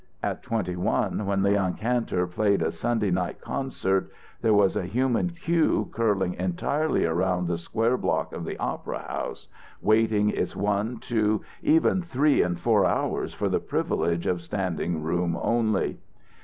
At twenty one, when Leon Kantor played a Sunday night concert, there was a human queue curling entirely around the square block of the opera house, waiting its one, two, even three and four hours for the privilege of standing room only.